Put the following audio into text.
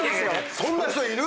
そんな人いる？